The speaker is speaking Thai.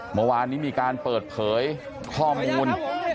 เมื่อวานนี้มีการเปิดเผยข้อมูล